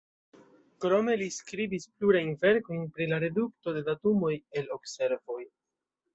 Krome, li skribis plurajn verkojn pri la redukto de datumoj el observoj.